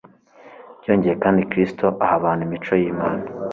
Byongeye kandi, Kristo aha abantu imico y'Imana.